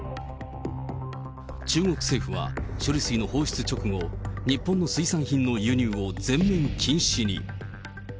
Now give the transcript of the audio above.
中国政府は処理水の放出直後、日本の水産品の輸入を全面禁止に。